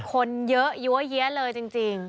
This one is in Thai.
คนเยอะยั้วเยี้ยเลยจริง